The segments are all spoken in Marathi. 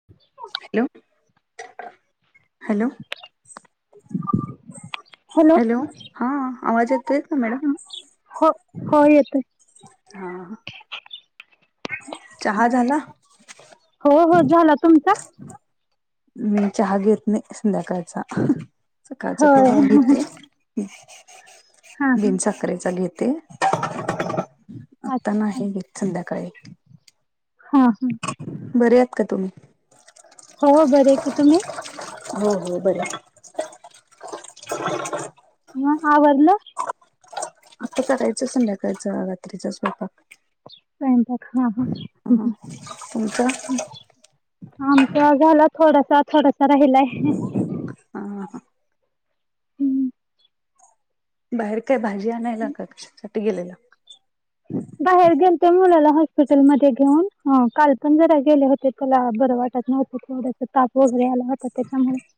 [unintelligible] हॅलो. हॅलो. [inaudible] हॅलो, हा. आवाज येतोय का, मॅडम? हो हो येतोय हा. चहा झाला हो हो झाला तुमचा मी चहा घेत नाही संध्याकाळचा सकाळचा होय थोडा घेते हां हां बिन साखरेचा घेते आता अच्छा नाही घेत संध्याकाळी घेते हा बरे आहात का तुम्ही? हो बरी आहे की तुम्ही हो हो बरी आहे [unintelligible] हा आवरलं आता करायचं संध्याकाळचं रात्रीच स्वयंपाक स्वयंपाक हा हा हा तुमचा हा हम आमच्या झाला थोडासा थोडासा राहिलाय हां हा हम्म. बाहेर काय भाजी आणायला का का कशासाठी गेलेला बाहेर गेलते मुलाला हॉस्पिटलमध्ये घेऊन ह काल पण जरा गेले होते त्याला बरं वाटत नव्हतं थोड ताप वगैरे आला होता त्याच्यामुळे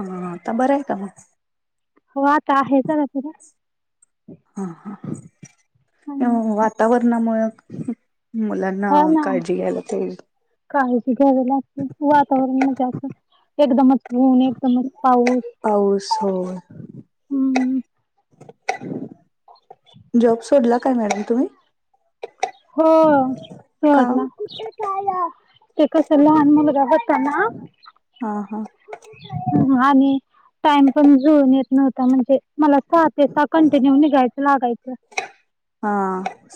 हा आता बरं आहे का मग हो आता आहे जरास बर हा हा त्या वातावरणामुळ मुलांना ना काळजी घेला ते काळजी घ्यावी लागते वातावरण मध्ये अस एकदमच ऊन एकदमच पाऊस पाऊस हो हम्म जॉब सोडला काय मॅडम तुम्ही हो का सोडला ते कस लहान मुलगा होता ना हा हा हा आणि टाइम पण झुऊन येत नव्हता म्हणजे मला सहा ते सहा कंटिन्यू निघायचं लागायचं हा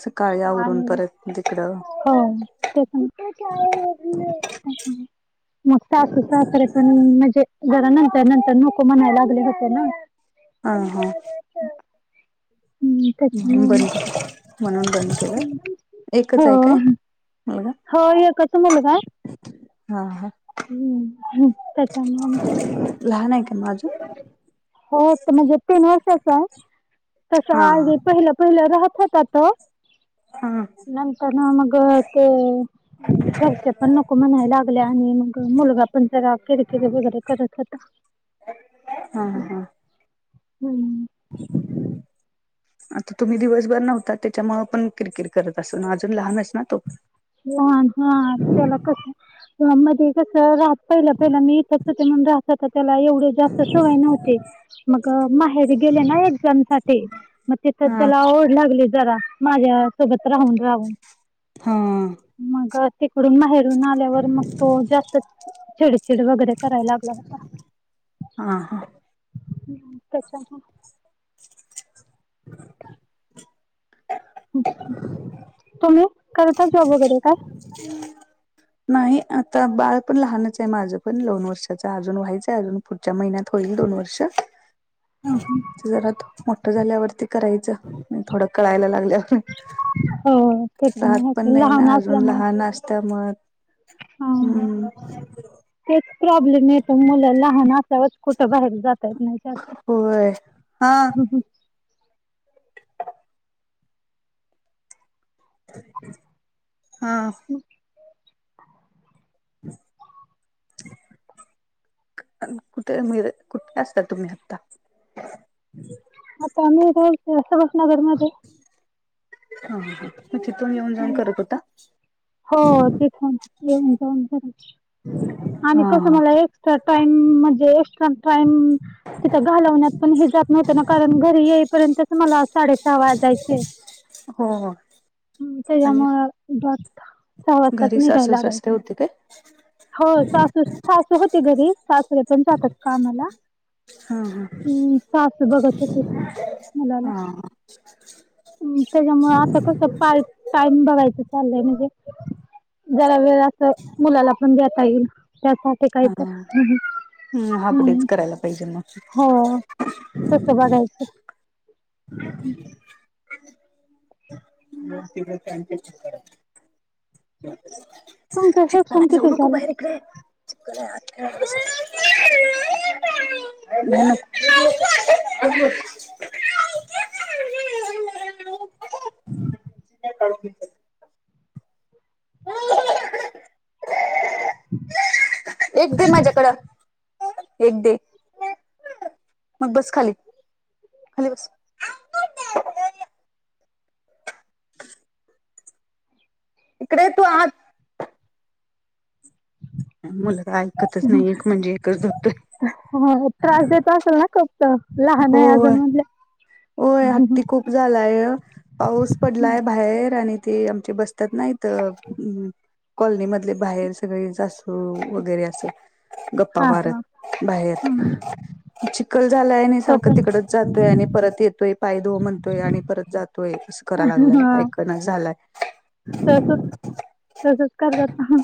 सकाळी आवरून आणि परत तिकडं [unintelligible] मग सासू सासरे पण म्हणजे जरा नंतर नंतर नको म्हणायला लागले होते ना हा हा हम्म म्हणून त्याच्यामुळे बंद मग केलं म्हणून बंद केलं एकच आहे काय हो मुलगा हो एकच मुलगा हा हा हम तेच्यामुळे लहान आहे का मग अजून हो आता म्हणजे तीन वर्षच आहे तसं हा आधी पहिलं पहिलं राहत होता तो हा नंतर न मग ते घरचे पण नको म्हणायला लागले आणि मग मुलगा पण जरा किरकिरी वगैरे करत होता हा हा हम्म [unintelligible] आता तुम्ही दिवसभर नव्हता. त्याच्यामुळं पण किरकिर करत असल. अजून लहानच ना तो? लहान हा त्याला कसं मध्ये कस राहत पहिलं पहिला मी इथच होते म्हणून राहतात त्याला एवढे जास्त सवय नव्हती. मग माहेरी गेले ना एक्झाम साठी मग तिथं हा त्याला ओढ लागली जरा. माझ्या सोबत राहून -राहून. हां. मग तिकडून माहेर जून आल्यावर मग तो जास्त चिडचिड वगैरे करायला लागला होता. हां -हां. ह त्याच्या म तुम्ही करता जॉब वगैरे काय? [inaudible] नाही आता बाळ पण लहानच आहे माझं पण लोन वर्षाचं. अजून व्हायचंय अजून पुढच्या महिन्यात होईल दोन वर्ष. ह हा. अता जरा मोठं झाल्यावरती करायचं थोडं कळायला लागल्यावर. हो ते राहत पण आहे नाही लहान ना अजून लहान असल्यामुळे नासत्या मग हा हम्म. तेच प्रॉब्लेम येत. मुलं लहान असावच कुठं बाहेर जातात नाही जास्त. होय हा. ह हं. हा. [inaudible] आण कुठ मे कुठे असता तुम्ही आता? आता आम्ही [unintelligible] नगर मध्ये हा हा मी तिथून येऊन जाऊन करत होता? हो तिथुन येऊन जाऊन करत. आणि हा कसं हा मला एक टाइम म्हणजे एक टाइम तिथं घालवण्यात पण हे जात नव्हत ना कारण घरी येईपर्यंतच मला साडेसहा वाजायचे. हो. हम आणि त्याच्यामुळ बत सहा वाजताच घरी निघाय सासू सासरे लागयचं. होते काय हो सासू सासू होती घरी. सासरे पण जातात कामाला. हा हा हम् सासू बघत होतीत मुलाला. हा हा हम्. त्याच्यामुळे आता कस पार्ट टाईम बघायच चाललंय म्हणजे जरा वेळ ला अस मुलाला पण घेता येईल त्यासाठी हा काहीतर हम् हाप डेच हम्म करायला पाहिजे मग. हो तसं बघायचं. [unintelligible] तुमचं चित्ता आला शिक्षण जाऊ किती नको झालं? बाहेर इकड ये. [unintelligible] [unintelligible] बसायचं [unintelligible] एक दे माझ्याकडं. आ. एक दे. मग बस खाली, खाली बस. इकडे ये तू आ मुलगा ऐकतच नाही, एक म्हणजे एकच धरतोय. हो [unintelligible] लहान आहे होय अजून म्हणल्याव. होय हत्ती खूप झालाय. पाऊस पडलाय बाहेर आणि ते आमचे बसत्यात ना इथं कॉलनी मधले बाहेर सगळे सासू वगैरे असं. गप्पा हा हा मारत बाहेर, हम्म चिखल झालाय आणि तो सारखं पण तिकडच जातोय आणि परत येतोय पाय धो म्हणतोय आणि परत जातोय असं करा लागलाय ऐक ना झालाय. तसंच तसंच करत्यात.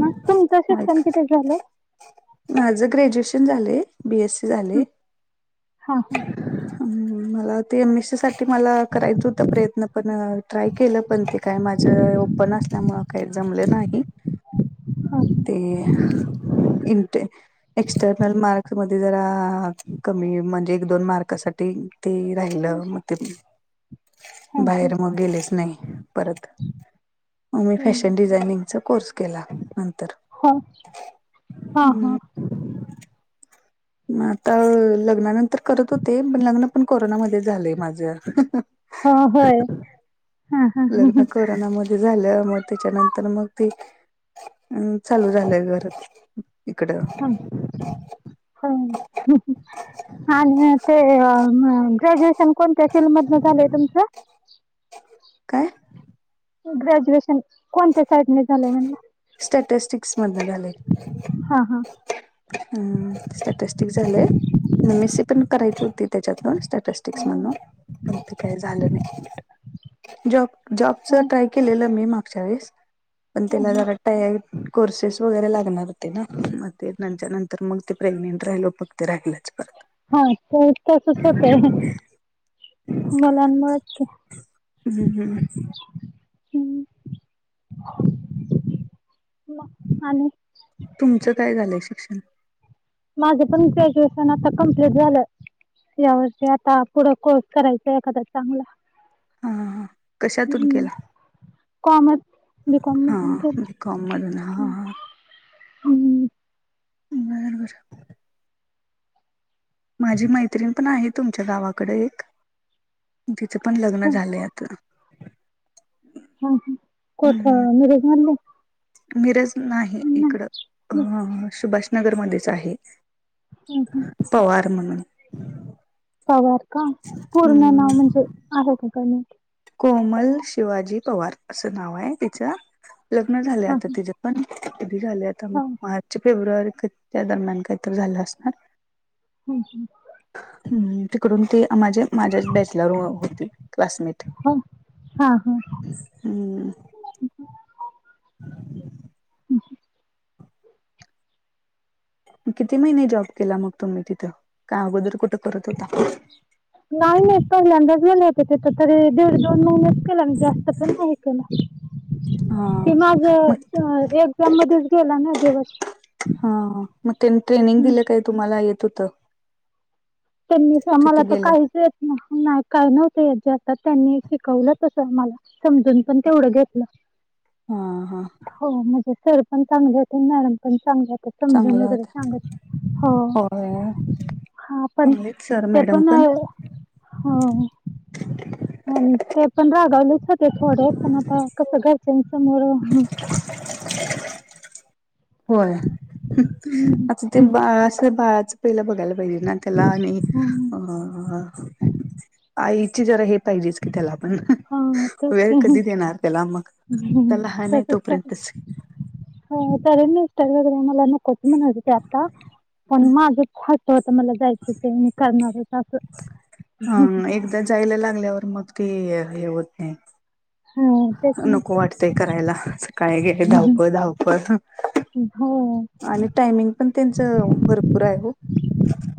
मग तुमचं आ शिक्षण किती झालं? माझं ग्रॅज्युएशन झालंय, बी एस सी झालंय. हा हा हम्म, मला ते एम एस सी सा ठी मला करायचं होतं प्रयत्न पण अ ट्राय केलं पण ते काय माझं ओपन असल्यामुळं काही जमले नाही, हा ते इंटे एक्स्टर्नल मार्क्स मध्ये जरा कमी म्हणजे एक दोन मार्कासाठी ते राहिलं, मग ते हा बाहेर मग गेलेच नाही. परत, मग मी फॅशन डिझायनिंगचा कोर्स केला नंतर. हो, हा हम्म. हा. म आता लग्नानंतर करत होते, पण लग्न पण कोरोनामध्येच झालंय माझं. हो होय. हां हां हां लग्न हां कोरोनाम् झालं मग त्याच्यानंतर मग ते अ चालू झालं घरात. इकडं. हां, होय. हा आणि ते अ ग्रॅज्युएशन कोणत्या फिल्ड मधनं झालंय तुमचं? काय? ग्रॅज्युएशन कोणत्या साईडने झालंय म्हणलं? स्टॅटस्टिक्स मधनं झालंय. हां हां. हम्म, स्टॅटस्टिक झालंय, एम एस सी पण करायची होती त्याच्यातनं स्टॅटिस्टिक्स मधनं. हं पण ते काही झालं नाही, जॉब जॉबचं हं ट्राय केलेलं मी मागच्या वेळेस, पण हं, त्याला हं. जरा तया कोर्सेस वगैरे लागणार होते ना, मग ते [unintelligible] नंतर मग ते प्रेग्नेंट राहिलो [unintelligible] ते राहिलंच परत. होय? ते तसंच होतंय. मुलांमुळंच हम्म हम्म हम्म, म आणि? तुमचं काय झालंय शिक्षण? माझं पण ग्रॅज्युएशन आता कमप्लीट झालं. यावर्षी आता पुढं कोर्स करायचा एखादा चांगला. हा हा हा, कशातून हं केला? कॉमर्स बी कॉम हा मधून केला, बी कॉम मधून हा हम्म हा हम्म. बर बर. माझी मैत्रिण पण आहे तुमच्या गावाकडं एक, तिचं पण लग्न होय. झालंय आता. हा ह, कोठ हम्म मिरज मधन? मिरज नाही इकडं, अ सुभाषनगरमध्येच आहे. [unintelligible] पवार म्हणून. पवार का, पूर्ण नाव हम्म म्हणजे आहे का काय माहीत. कोमल शिवाजी पवार असं नाव आहे तिचं, लग्न झालं हा आता तिच्या पण कधी झालय आता, हा मार्च -फेब्रुवारी त्या दरम्यान काहीतरी झालं असणार हम, हम. तिकडून ते माझे माझ्याच बॅचलर होतीतं क्लासमेट. हा, हा. हम्म [unintelligible] [unintelligible] किती महिने जॉब केला मग तुम्ही तिथं, काय अगोदर कुठं करत होता. नाही -नाही पहिल्याच गेले होते तिथे तरी दीड- दोन महिन्यात केला, मी जास्त पण नाही केला, हा ते माझ मग एक त्या मध्येच गेला ना दिवस. हा, मग त्यांनी ट्रेनिंग हम्म. दिलं काय तुम्हाला येत होत? त्यांनीच आम्हाला तर काहीच येत नाही काय नव्हतं येतं ते आता, त्यांनी शिकवलं तसं आ मला. समजून पण तेवढं घेतलं. हा, हा. हो म्हणजे सर पण चांगले होते, मॅडम पण चांगल्या होत्यात. समजून चांगल्या वगैरे होत्या सांगात हो, होय हा चांगलेच सर ते मॅडम पण, होय आणि ते प पण रागावलेत सगळे थोडे, पण आता कसं घरच्यानं समोर होय, आता ते बाळाच अस बाळाचं पहिलं बघायलेतं पहिला त्याला आणि, आईचे जरा हे पाहिजेच. त्याला पण, हा तेच वेळ कधी देणार त्याला मग, लहान नाही तोपर्यंतच हो, तरी मिस्टर वैगेरे मला नकोच म्हणालते आता पण माझं हट्ट होत, म्हणलं जायचं ते मी करणार असं ह, एकदा जायला लागल्यावर मग ते हे होत नाही. ह तेच ना नको वाटतंय करायला, सकाळी हे धावपळ -धावपळ. हो. आणि टायमिंग पण त्यांच भरपूर आहे हो.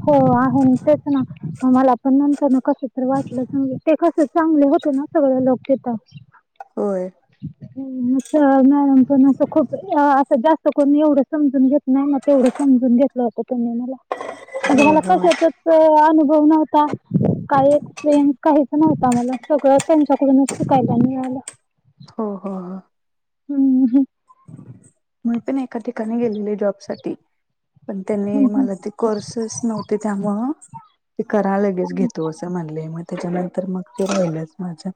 हो आहे तेच ना, मला पण नंतरन कस तर वाटलं सग ते कस चांगले होते ना सगळे लोक येतात. होय. असं मॅडम पण असं खूप असं, जास्त कोणी एवढं समजून घेत नाही, म तेवढं समजून घेतलंय आता तेनी मला. म्हणजे हो मला हो कशाचंच अनुभव नव्हता. काही एक्सपिरियन्स काहीच नव्हता मला, सगळं त्यांच्याकडूनच शिकायला मिळालं. हो, हो, हो. हम्म, हम मी पण एका ठिकाणी गेलेली जॉब साठी, पण त्यांनी हं, हं. मला ते कोर्सेस नव्हते त्यामुळ. ते करा लगेच घेतो, असं म्हणले मग त्याच्यानंतर मग ते राहिलंच माझं.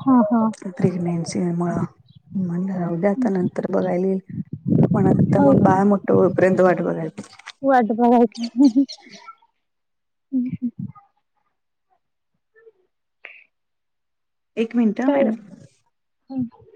हा हा! प्रेग्नेन्सी मुंळ म्हंनल राहू द्या आता नंतर बघायला येईल. म्हनाला त होय. मग बाळ मोठं होपर्यंत वाट बघाय. वाट बघायची. एक मिनट अ मॅडम. तर [inaudible]